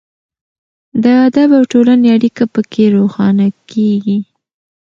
د ادب او ټولنې اړیکه پکې روښانه کیږي.